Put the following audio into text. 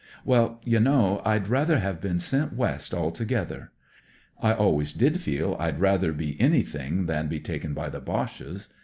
Well, you know, I'd rather have been sent West altogether. I always did feel I'd rather anything than be taken by the Boches.